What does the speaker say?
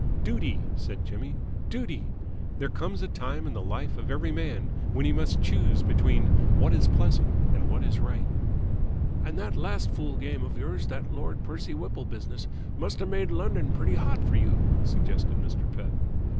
"Duty!" said Jimmy. "Duty! There comes a time in the life of every man when he must choose between what is pleasant and what is right." "And that last fool game of yours, that Lord Percy Whipple business, must have made London pretty hot for you?" suggested Mr. Pett.